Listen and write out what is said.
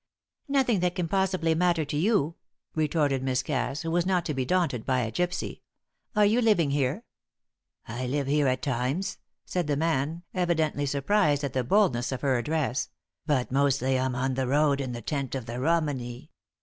"Nothing that can possibly matter to you," retorted Miss Cass, who was not to be daunted by a gypsy. "Are you living here?" "I live here at times," said the man, evidently surprised at the boldness of her address, "but mostly I'm on the road and in the tent of the Romany.